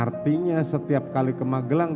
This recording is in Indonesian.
artinya setiap ke magelang